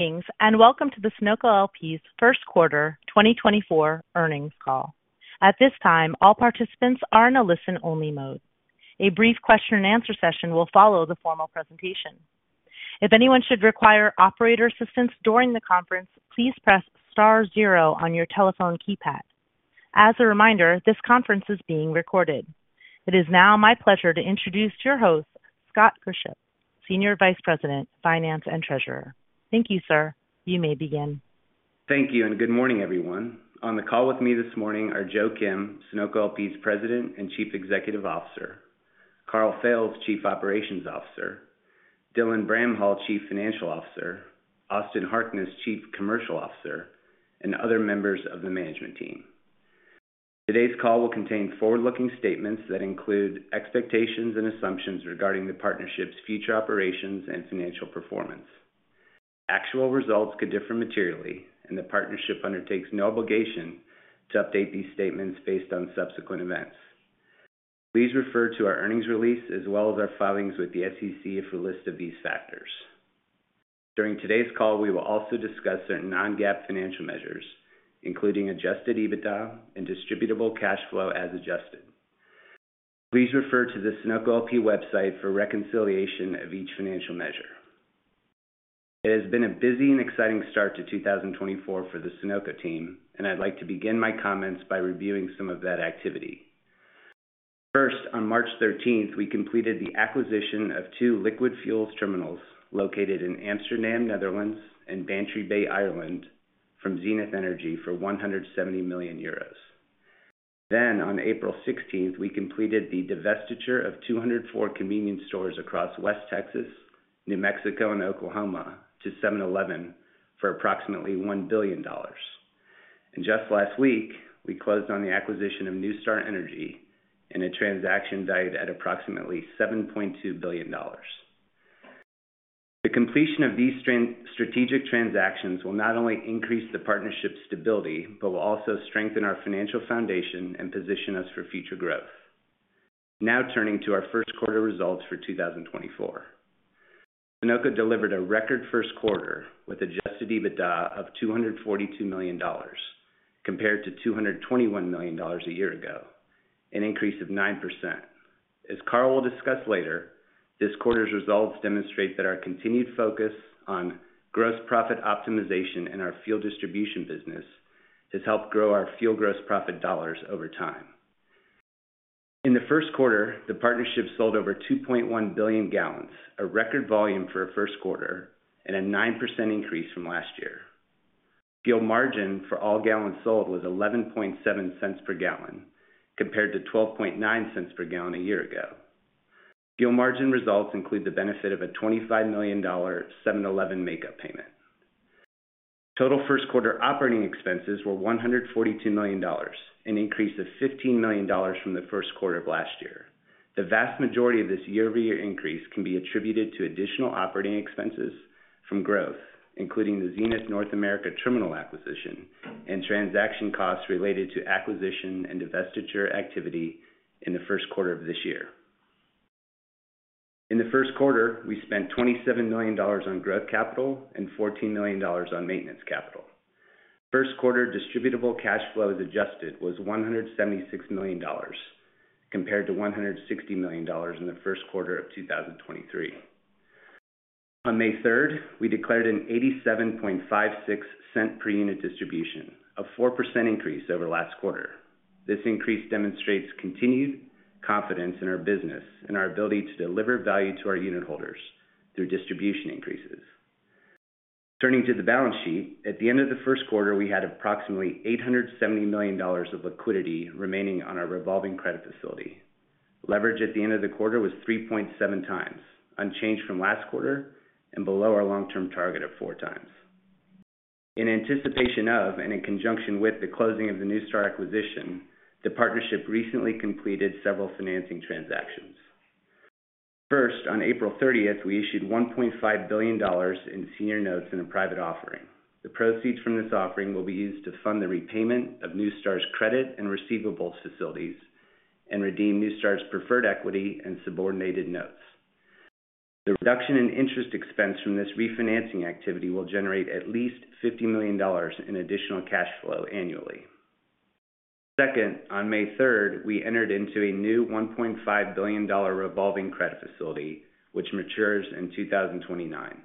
Good evening, and welcome to the Sunoco LP's First Quarter 2024 Earnings Call. At this time, all participants are in a listen-only mode. A brief question-and-answer session will follow the formal presentation. If anyone should require operator assistance during the conference, please press star zero on your telephone keypad. As a reminder, this conference is being recorded. It is now my pleasure to introduce your host, Scott Grischow, Senior Vice President, Finance and Treasurer. Thank you, sir. You may begin. Thank you, and good morning, everyone. On the call with me this morning are Joe Kim, Sunoco LP's President and Chief Executive Officer, Karl Fails, Chief Operations Officer, Dylan Bramhall, Chief Financial Officer, Austin Harkness, Chief Commercial Officer, and other members of the management team. Today's call will contain forward-looking statements that include expectations and assumptions regarding the partnership's future operations and financial performance. Actual results could differ materially, and the partnership undertakes no obligation to update these statements based on subsequent events. Please refer to our earnings release as well as our filings with the SEC for a list of these factors. During today's call, we will also discuss certain non-GAAP financial measures, including adjusted EBITDA and distributable cash flow as adjusted. Please refer to the Sunoco LP website for reconciliation of each financial measure. It has been a busy and exciting start to 2024 for the Sunoco team, and I'd like to begin my comments by reviewing some of that activity. First, on March thirteenth, we completed the acquisition of two liquid fuels terminals located in Amsterdam, Netherlands, and Bantry Bay, Ireland, from Zenith Energy for 170 million euros. On April sixteenth, we completed the divestiture of 204 convenience stores across West Texas, New Mexico, and Oklahoma to 7-Eleven for approximately $1 billion. Just last week, we closed on the acquisition of NuStar Energy in a transaction valued at approximately $7.2 billion. The completion of these strategic transactions will not only increase the partnership's stability, but will also strengthen our financial foundation and position us for future growth. Now turning to our first quarter results for 2024. Sunoco delivered a record first quarter with Adjusted EBITDA of $242 million, compared to $221 million a year ago, an increase of 9%. As Karl will discuss later, this quarter's results demonstrate that our continued focus on gross profit optimization in our fuel distribution business has helped grow our fuel gross profit dollars over time. In the first quarter, the partnership sold over 2.1 billion gallons, a record volume for a first quarter and a 9% increase from last year. Fuel margin for all gallons sold was $0.117 per gallon, compared to $0.129 per gallon a year ago. Fuel margin results include the benefit of a $25 million 7-Eleven makeup payment. Total first quarter operating expenses were $142 million, an increase of $15 million from the first quarter of last year. The vast majority of this year-over-year increase can be attributed to additional operating expenses from growth, including the Zenith North America terminal acquisition and transaction costs related to acquisition and divestiture activity in the first quarter of this year. In the first quarter, we spent $27 million on growth capital and $14 million on maintenance capital. First quarter Distributable Cash Flow as adjusted was $176 million, compared to $160 million in the first quarter of 2023. On May third, we declared an $0.8756 per unit distribution, a 4% increase over last quarter. This increase demonstrates continued confidence in our business and our ability to deliver value to our unit holders through distribution increases. Turning to the balance sheet, at the end of the first quarter, we had approximately $870 million of liquidity remaining on our revolving credit facility. Leverage at the end of the quarter was 3.7x, unchanged from last quarter and below our long-term target of 4x. In anticipation of and in conjunction with the closing of the NuStar acquisition, the partnership recently completed several financing transactions. First, on April 30th, we issued $1.5 billion in senior notes in a private offering. The proceeds from this offering will be used to fund the repayment of NuStar's credit and receivables facilities and redeem NuStar's preferred equity and subordinated notes. The reduction in interest expense from this refinancing activity will generate at least $50 million in additional cash flow annually. Second, on May 3rd, we entered into a new $1.5 billion revolving credit facility, which matures in 2029.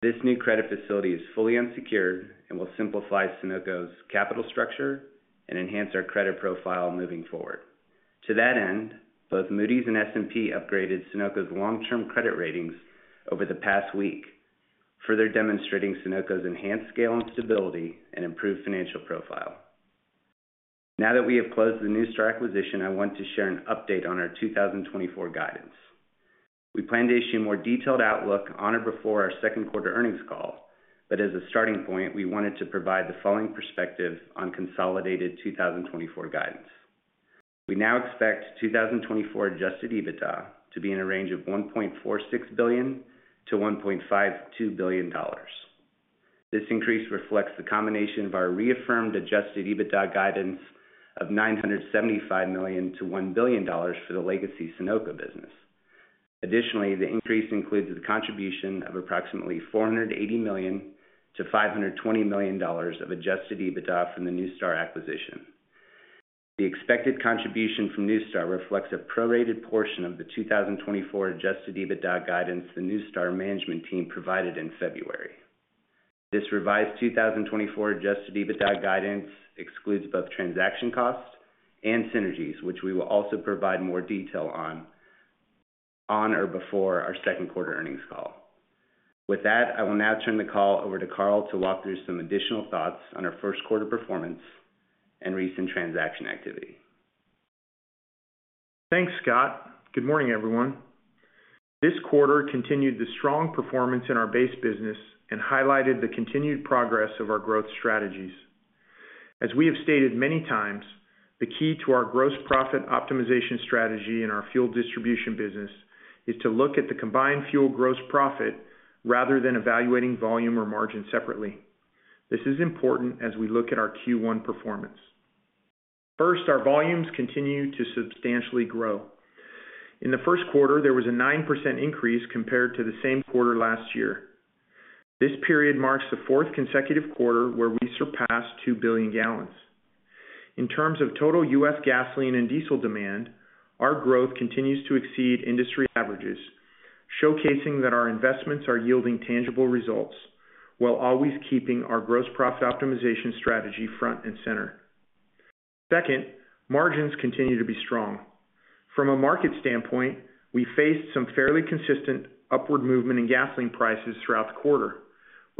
This new credit facility is fully unsecured and will simplify Sunoco's capital structure and enhance our credit profile moving forward. To that end, both Moody's and S&P upgraded Sunoco's long-term credit ratings over the past week, further demonstrating Sunoco's enhanced scale and stability and improved financial profile. Now that we have closed the NuStar acquisition, I want to share an update on our 2024 guidance. We plan to issue more detailed outlook on or before our second quarter earnings call, but as a starting point, we wanted to provide the following perspective on consolidated 2024 guidance. We now expect 2024 Adjusted EBITDA to be in a range of $1.46 billion-$1.52 billion. This increase reflects the combination of our reaffirmed Adjusted EBITDA guidance of $975 million-$1 billion for the legacy Sunoco business. Additionally, the increase includes the contribution of approximately $480 million-$520 million of Adjusted EBITDA from the NuStar acquisition. The expected contribution from NuStar reflects a prorated portion of the 2024 Adjusted EBITDA guidance the NuStar management team provided in February. This revised 2024 Adjusted EBITDA guidance excludes both transaction costs and synergies, which we will also provide more detail on, on or before our second quarter earnings call. With that, I will now turn the call over to Karl to walk through some additional thoughts on our first quarter performance and recent transaction activity. Thanks, Scott. Good morning, everyone. This quarter continued the strong performance in our base business and highlighted the continued progress of our growth strategies. As we have stated many times, the key to our gross profit optimization strategy in our fuel distribution business is to look at the combined fuel gross profit rather than evaluating volume or margin separately. This is important as we look at our Q1 performance. First, our volumes continue to substantially grow. In the first quarter, there was a 9% increase compared to the same quarter last year. This period marks the fourth consecutive quarter where we surpassed 2 billion gallons. In terms of total U.S. gasoline and diesel demand, our growth continues to exceed industry averages, showcasing that our investments are yielding tangible results, while always keeping our gross profit optimization strategy front and center. Second, margins continue to be strong. From a market standpoint, we faced some fairly consistent upward movement in gasoline prices throughout the quarter,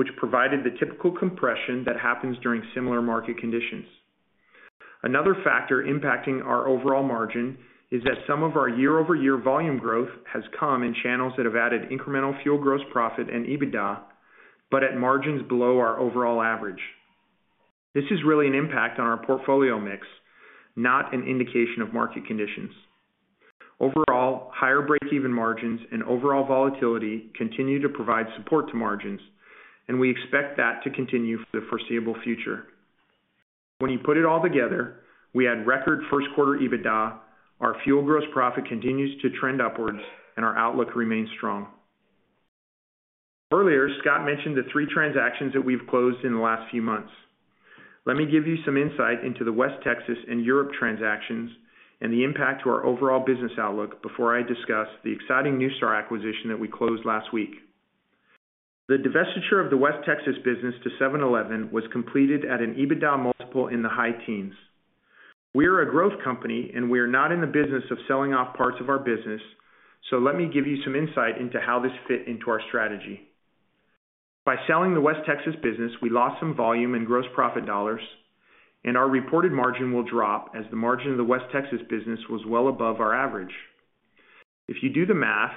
which provided the typical compression that happens during similar market conditions. Another factor impacting our overall margin is that some of our year-over-year volume growth has come in channels that have added incremental fuel gross profit and EBITDA, but at margins below our overall average. This is really an impact on our portfolio mix, not an indication of market conditions. Overall, higher break-even margins and overall volatility continue to provide support to margins, and we expect that to continue for the foreseeable future. When you put it all together, we had record first quarter EBITDA, our fuel gross profit continues to trend upwards, and our outlook remains strong. Earlier, Scott mentioned the three transactions that we've closed in the last few months. Let me give you some insight into the West Texas and Europe transactions and the impact to our overall business outlook before I discuss the exciting NuStar acquisition that we closed last week. The divestiture of the West Texas business to 7-Eleven was completed at an EBITDA multiple in the high teens. We are a growth company, and we are not in the business of selling off parts of our business, so let me give you some insight into how this fit into our strategy. By selling the West Texas business, we lost some volume and gross profit dollars, and our reported margin will drop as the margin of the West Texas business was well above our average. If you do the math,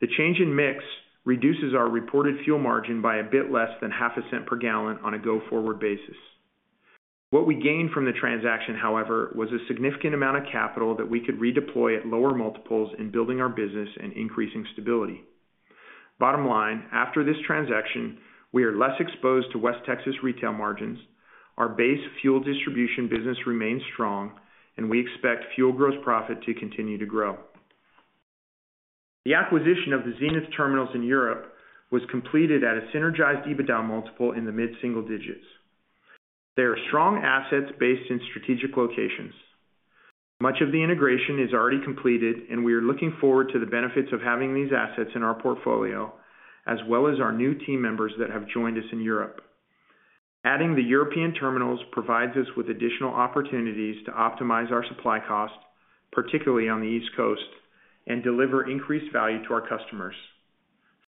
the change in mix reduces our reported fuel margin by a bit less than $0.005 per gallon on a go-forward basis. What we gained from the transaction, however, was a significant amount of capital that we could redeploy at lower multiples in building our business and increasing stability. Bottom line, after this transaction, we are less exposed to West Texas retail margins, our base fuel distribution business remains strong, and we expect fuel gross profit to continue to grow. The acquisition of the Zenith terminals in Europe was completed at a synergized EBITDA multiple in the mid-single digits. They are strong assets based in strategic locations. Much of the integration is already completed, and we are looking forward to the benefits of having these assets in our portfolio, as well as our new team members that have joined us in Europe. Adding the European terminals provides us with additional opportunities to optimize our supply costs, particularly on the East Coast, and deliver increased value to our customers.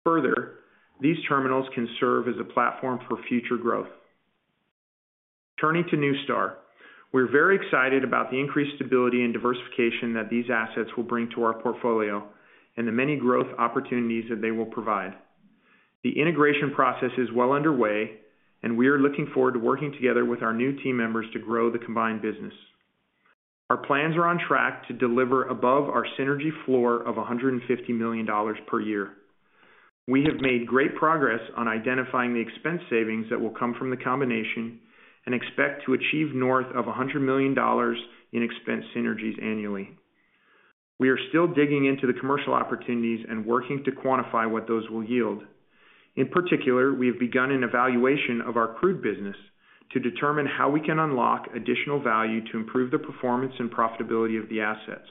Further, these terminals can serve as a platform for future growth. Turning to NuStar, we're very excited about the increased stability and diversification that these assets will bring to our portfolio and the many growth opportunities that they will provide. The integration process is well underway, and we are looking forward to working together with our new team members to grow the combined business. Our plans are on track to deliver above our synergy floor of $150 million per year. We have made great progress on identifying the expense savings that will come from the combination and expect to achieve north of $100 million in expense synergies annually. We are still digging into the commercial opportunities and working to quantify what those will yield. In particular, we have begun an evaluation of our crude business to determine how we can unlock additional value to improve the performance and profitability of the assets.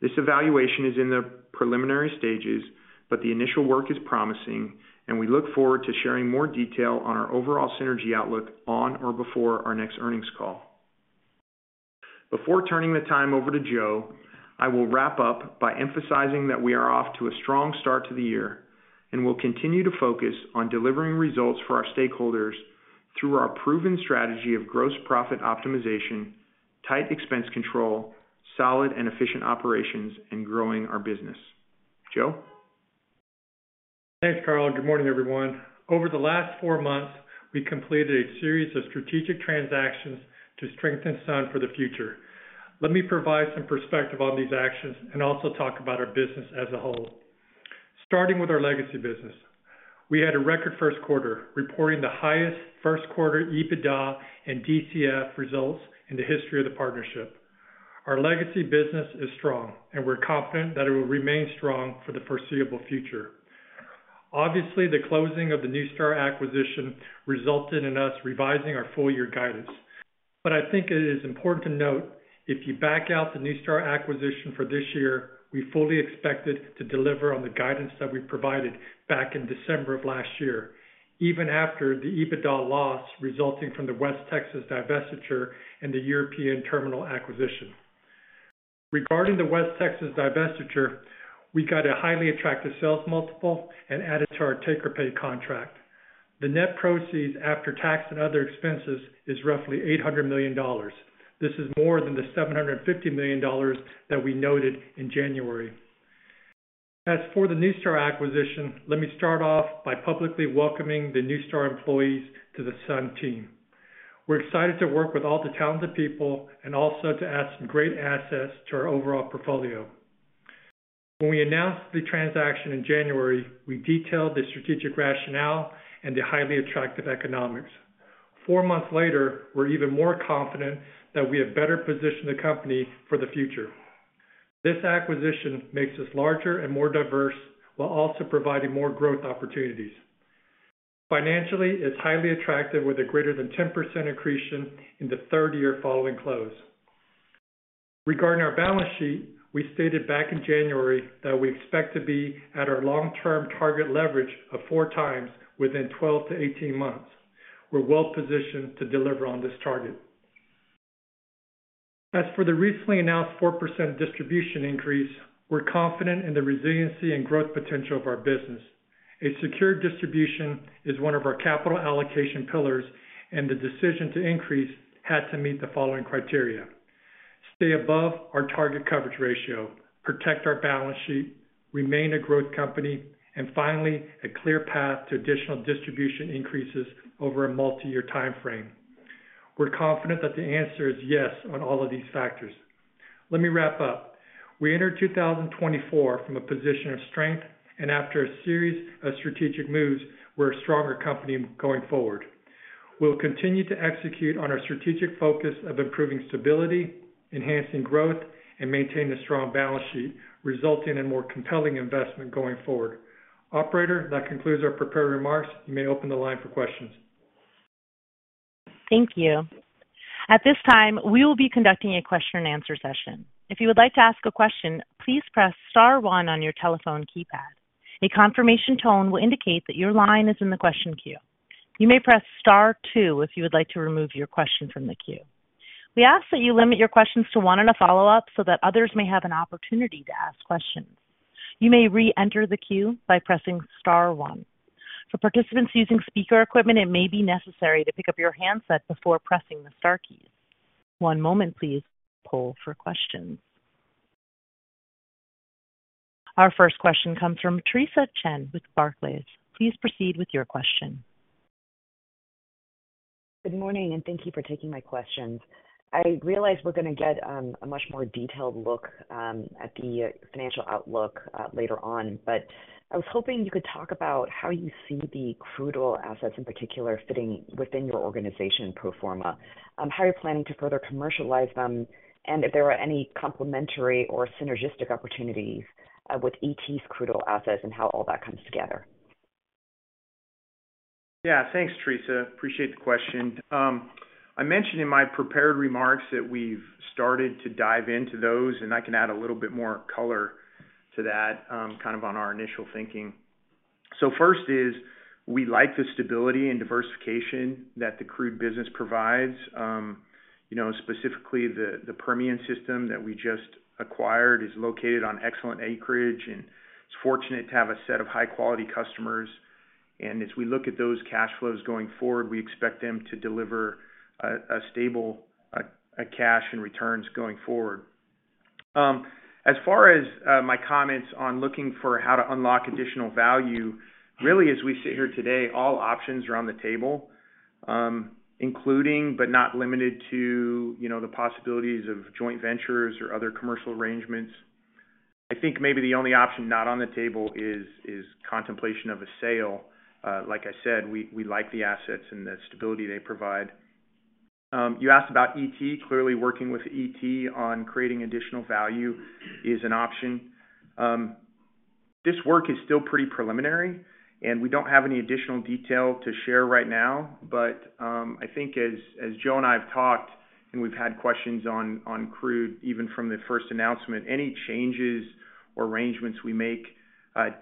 This evaluation is in the preliminary stages, but the initial work is promising, and we look forward to sharing more detail on our overall synergy outlook on or before our next earnings call. Before turning the time over to Joe, I will wrap up by emphasizing that we are off to a strong start to the year and will continue to focus on delivering results for our stakeholders through our proven strategy of gross profit optimization, tight expense control, solid and efficient operations, and growing our business. Joe? Thanks, Karl. Good morning, everyone. Over the last four months, we completed a series of strategic transactions to strengthen Sunoco for the future. Let me provide some perspective on these actions and also talk about our business as a whole.... Starting with our legacy business. We had a record first quarter, reporting the highest first quarter EBITDA and DCF results in the history of the partnership. Our legacy business is strong, and we're confident that it will remain strong for the foreseeable future. Obviously, the closing of the NuStar acquisition resulted in us revising our full year guidance. But I think it is important to note, if you back out the NuStar acquisition for this year, we fully expected to deliver on the guidance that we provided back in December of last year, even after the EBITDA loss resulting from the West Texas divestiture and the European terminal acquisition. Regarding the West Texas divestiture, we got a highly attractive sales multiple and added to our take-or-pay contract. The net proceeds after tax and other expenses is roughly $800 million. This is more than the $750 million that we noted in January. As for the NuStar acquisition, let me start off by publicly welcoming the NuStar employees to the SUN team. We're excited to work with all the talented people and also to add some great assets to our overall portfolio. When we announced the transaction in January, we detailed the strategic rationale and the highly attractive economics. Four months later, we're even more confident that we have better positioned the company for the future. This acquisition makes us larger and more diverse, while also providing more growth opportunities. Financially, it's highly attractive with a greater than 10% accretion in the third year following close. Regarding our balance sheet, we stated back in January that we expect to be at our long-term target leverage of 4x within 12-18 months. We're well positioned to deliver on this target. As for the recently announced 4% distribution increase, we're confident in the resiliency and growth potential of our business. A secure distribution is one of our capital allocation pillars, and the decision to increase had to meet the following criteria: Stay above our target coverage ratio, protect our balance sheet, remain a growth company, and finally, a clear path to additional distribution increases over a multi-year timeframe. We're confident that the answer is yes on all of these factors. Let me wrap up. We entered 2024 from a position of strength, and after a series of strategic moves, we're a stronger company going forward. We'll continue to execute on our strategic focus of improving stability, enhancing growth, and maintain a strong balance sheet, resulting in more compelling investment going forward. Operator, that concludes our prepared remarks. You may open the line for questions. Thank you. At this time, we will be conducting a question-and-answer session. If you would like to ask a question, please press star one on your telephone keypad. A confirmation tone will indicate that your line is in the question queue. You may press star two if you would like to remove your question from the queue. We ask that you limit your questions to one and a follow-up so that others may have an opportunity to ask questions. You may reenter the queue by pressing star one. For participants using speaker equipment, it may be necessary to pick up your handset before pressing the star keys. One moment, please, poll for questions. Our first question comes from Theresa Chen with Barclays. Please proceed with your question. Good morning, and thank you for taking my questions. I realize we're gonna get a much more detailed look at the financial outlook later on, but I was hoping you could talk about how you see the crude oil assets, in particular, fitting within your organization pro forma. How you're planning to further commercialize them, and if there are any complementary or synergistic opportunities with ET's crude oil assets and how all that comes together? Yeah. Thanks, Theresa. Appreciate the question. I mentioned in my prepared remarks that we've started to dive into those, and I can add a little bit more color to that, kind of on our initial thinking. So first is, we like the stability and diversification that the crude business provides. You know, specifically the Permian system that we just acquired is located on excellent acreage, and it's fortunate to have a set of high-quality customers. And as we look at those cash flows going forward, we expect them to deliver a stable cash and returns going forward. As far as my comments on looking for how to unlock additional value, really, as we sit here today, all options are on the table, including, but not limited to, you know, the possibilities of joint ventures or other commercial arrangements. I think maybe the only option not on the table is contemplation of a sale. Like I said, we like the assets and the stability they provide. You asked about ET. Clearly, working with ET on creating additional value is an option. This work is still pretty preliminary, and we don't have any additional detail to share right now. But I think as Joe and I have talked and we've had questions on crude, even from the first announcement, any changes or arrangements we make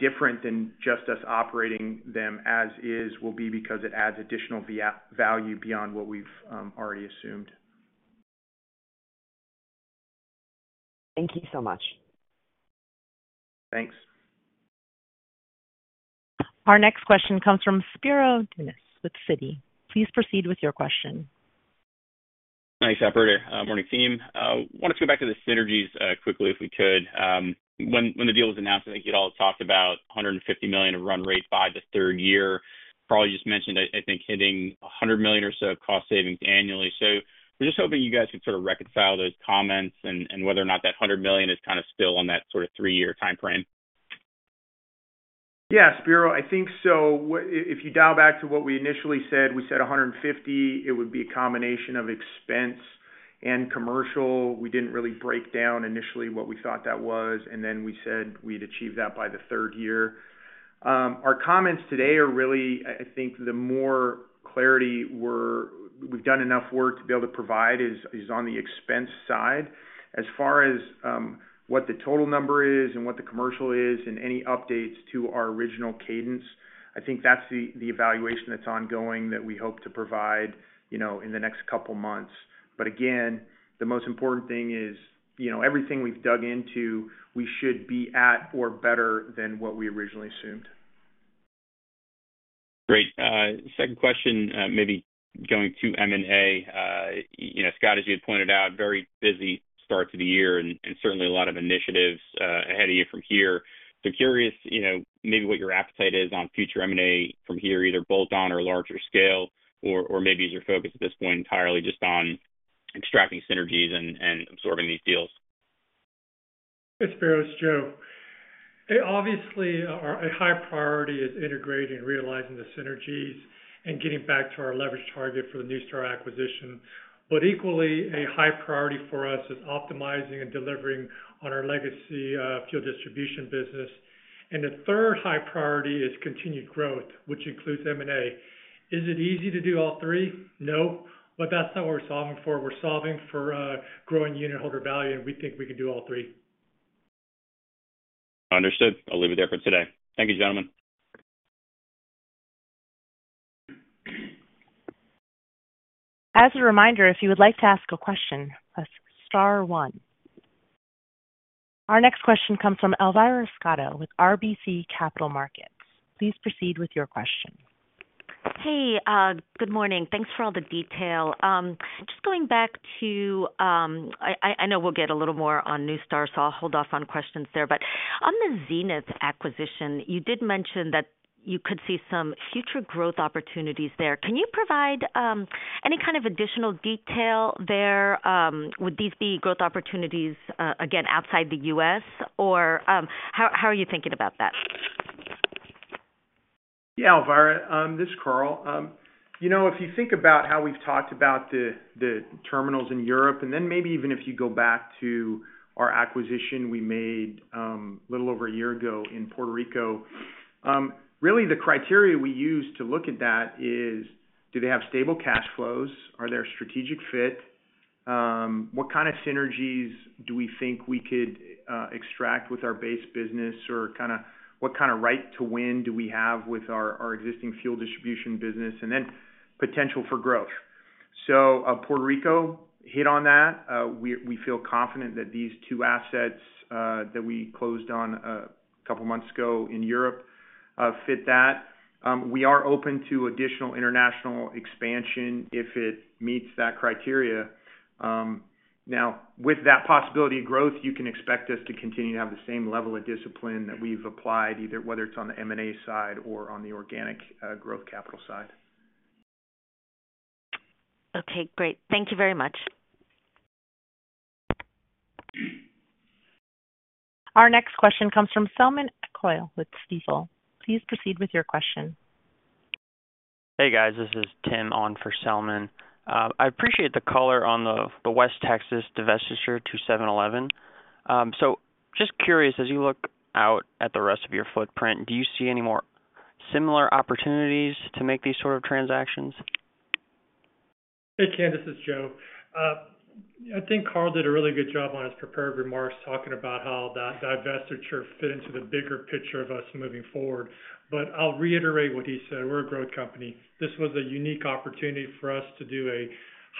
different than just us operating them as is, will be because it adds additional value beyond what we've already assumed. Thank you so much. Thanks. Our next question comes from Spiro Dounis with Citi. Please proceed with your question. Thanks, operator. Morning, team. Wanted to go back to the synergies, quickly, if we could. When, when the deal was announced, I think you'd all talked about $150 million of run rate by the third year. Probably just mentioned, I think, hitting $100 million or so of cost savings annually. So I'm just hoping you guys can sort of reconcile those comments and whether or not that $100 million is kind of still on that sort of three-year timeframe?... Yes, Spiro, I think so. What if you dial back to what we initially said, we said $150, it would be a combination of expense and commercial. We didn't really break down initially what we thought that was, and then we said we'd achieve that by the third year. Our comments today are really, I, I think, the more clarity we've done enough work to be able to provide is on the expense side. As far as what the total number is and what the commercial is, and any updates to our original cadence, I think that's the evaluation that's ongoing that we hope to provide, you know, in the next couple months. But again, the most important thing is, you know, everything we've dug into, we should be at or better than what we originally assumed. Great. Second question, maybe going to M&A. You know, Scott, as you had pointed out, very busy start to the year and, and certainly a lot of initiatives, ahead of you from here. So curious, you know, maybe what your appetite is on future M&A from here, either bolt-on or larger scale, or, or maybe is your focus at this point entirely just on extracting synergies and, and absorbing these deals? Yes, Bureau, it's Joe. Obviously, our a high priority is integrating and realizing the synergies and getting back to our leverage target for the NuStar acquisition. But equally, a high priority for us is optimizing and delivering on our legacy fuel distribution business. And the third high priority is continued growth, which includes M&A. Is it easy to do all three? No, but that's not what we're solving for. We're solving for growing unitholder value, and we think we can do all three. Understood. I'll leave it there for today. Thank you, gentlemen. As a reminder, if you would like to ask a question, press star one. Our next question comes from Elvira Scotto with RBC Capital Markets. Please proceed with your question. Hey, good morning. Thanks for all the detail. Just going back to, I know we'll get a little more on NuStar, so I'll hold off on questions there. But on the Zenith acquisition, you did mention that you could see some future growth opportunities there. Can you provide any kind of additional detail there? Would these be growth opportunities again outside the U.S.? Or how are you thinking about that? Yeah, Elvira, this is Karl. You know, if you think about how we've talked about the, the terminals in Europe, and then maybe even if you go back to our acquisition we made, a little over a year ago in Puerto Rico, really, the criteria we use to look at that is: Do they have stable cash flows? Are there a strategic fit? What kind of synergies do we think we could, extract with our base business, or what kind of right to win do we have with our, our existing fuel distribution business? And then, potential for growth. So, Puerto Rico hit on that. We, we feel confident that these two assets, that we closed on, a couple of months ago in Europe, fit that. We are open to additional international expansion if it meets that criteria. Now, with that possibility of growth, you can expect us to continue to have the same level of discipline that we've applied, either whether it's on the M&A side or on the organic, growth capital side. Okay, great. Thank you very much. Our next question comes from Selman Akyol with Stifel. Please proceed with your question. Hey, guys, this is Tim on for Selman. I appreciate the color on the West Texas divestiture to 7-Eleven. So just curious, as you look out at the rest of your footprint, do you see any more similar opportunities to make these sort of transactions? Hey, Tim, this is Joe. I think Karl did a really good job on his prepared remarks, talking about how that divestiture fit into the bigger picture of us moving forward. But I'll reiterate what he said: We're a growth company. This was a unique opportunity for us to do a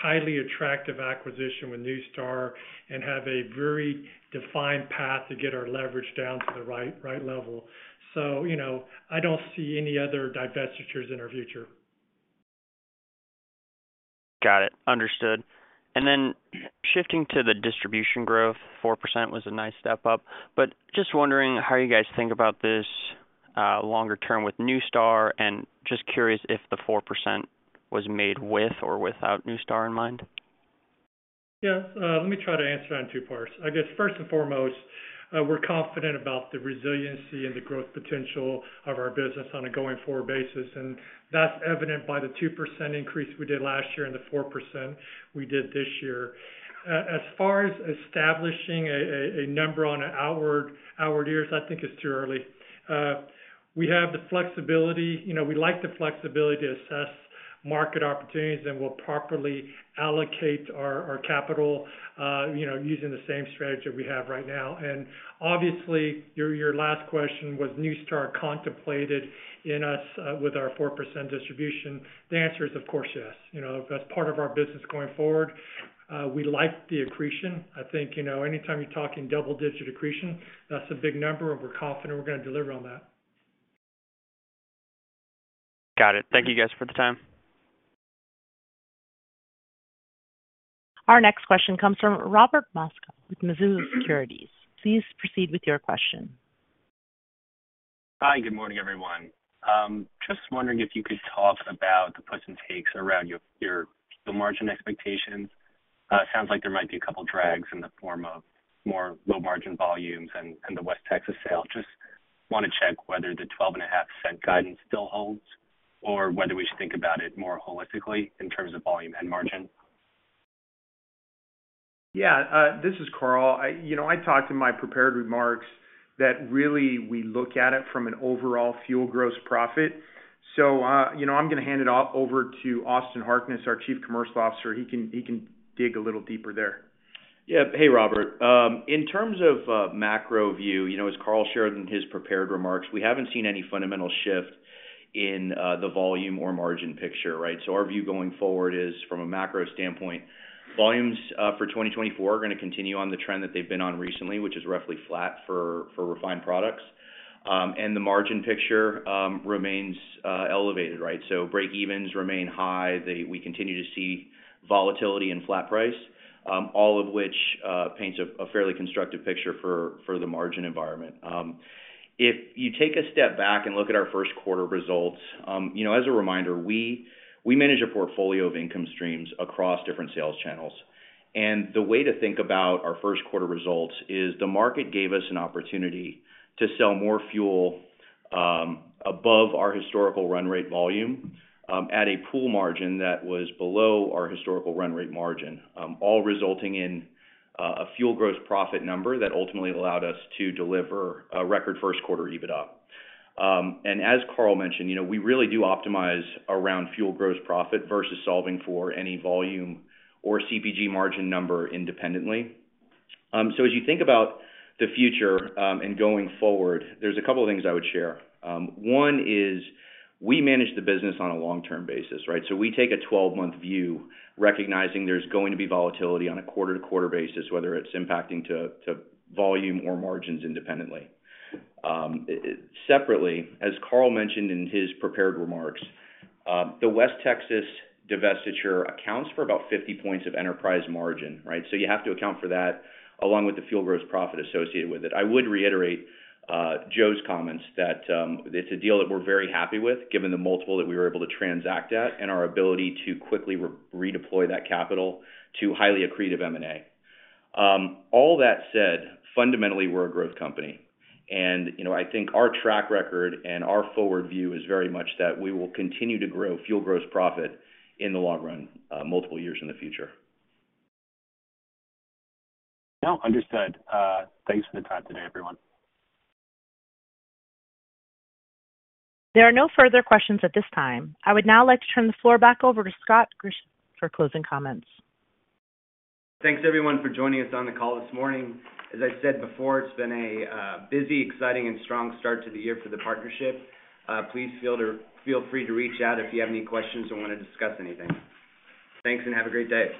highly attractive acquisition with NuStar and have a very defined path to get our leverage down to the right, right level. So, you know, I don't see any other divestitures in our future. Got it. Understood. Shifting to the distribution growth, 4% was a nice step up, but just wondering how you guys think about this, longer term with NuStar, and just curious if the 4% was made with or without NuStar in mind? Yeah, let me try to answer that in two parts. I guess, first and foremost, we're confident about the resiliency and the growth potential of our business on a going-forward basis, and that's evident by the 2% increase we did last year and the 4% we did this year. As far as establishing a, a, a number on an outward, outward years, I think it's too early. We have the flexibility—you know, we like the flexibility to assess market opportunities, and we'll properly allocate our, our capital, you know, using the same strategy we have right now. And obviously, your last question, was NuStar contemplated in us with our 4% distribution? The answer is, of course, yes. You know, that's part of our business going forward. We like the accretion. I think, you know, anytime you're talking double-digit accretion, that's a big number, and we're confident we're gonna deliver on that. Got it. Thank you, guys, for the time. Our next question comes from Robert Mosca with Mizuho Securities. Please proceed with your question. Hi, good morning, everyone.... Just wondering if you could talk about the puts and takes around your margin expectations. It sounds like there might be a couple drags in the form of more low-margin volumes and the West Texas sale. Just want to check whether the 12.5-cent guidance still holds, or whether we should think about it more holistically in terms of volume and margin. Yeah, this is Karl. I, you know, I talked in my prepared remarks that really we look at it from an overall fuel gross profit. So, you know, I'm gonna hand it off over to Austin Harkness, our Chief Commercial Officer. He can dig a little deeper there. Yeah. Hey, Robert. In terms of macro view, you know, as Karl shared in his prepared remarks, we haven't seen any fundamental shift in the volume or margin picture, right? So our view going forward is from a macro standpoint, volumes for 2024 are gonna continue on the trend that they've been on recently, which is roughly flat for refined products. And the margin picture remains elevated, right? So breakevens remain high. We continue to see volatility and flat price, all of which paints a fairly constructive picture for the margin environment. If you take a step back and look at our first quarter results, you know, as a reminder, we manage a portfolio of income streams across different sales channels, and the way to think about our first quarter results is, the market gave us an opportunity to sell more fuel, above our historical run rate volume, at a pool margin that was below our historical run rate margin. All resulting in a fuel gross profit number that ultimately allowed us to deliver a record first quarter EBITDA. And as Karl mentioned, you know, we really do optimize around fuel gross profit versus solving for any volume or CPG margin number independently. So as you think about the future, and going forward, there's a couple of things I would share. One is, we manage the business on a long-term basis, right? So we take a 12-month view, recognizing there's going to be volatility on a quarter-to-quarter basis, whether it's impacting to volume or margins independently. Separately, as Karl mentioned in his prepared remarks, the West Texas divestiture accounts for about 50 points of enterprise margin, right? So you have to account for that, along with the fuel gross profit associated with it. I would reiterate, Joe's comments that, it's a deal that we're very happy with, given the multiple that we were able to transact at, and our ability to quickly redeploy that capital to highly accretive M&A. All that said, fundamentally, we're a growth company, and, you know, I think our track record and our forward view is very much that we will continue to grow fuel gross profit in the long run, multiple years in the future. No, understood. Thanks for the time today, everyone. There are no further questions at this time. I would now like to turn the floor back over to Scott Grischow for closing comments. Thanks, everyone, for joining us on the call this morning. As I said before, it's been a busy, exciting, and strong start to the year for the partnership. Please feel free to reach out if you have any questions or want to discuss anything. Thanks, and have a great day.